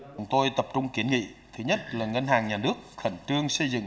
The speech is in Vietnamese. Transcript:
chúng tôi tập trung kiến nghị thứ nhất là ngân hàng nhà nước khẩn trương xây dựng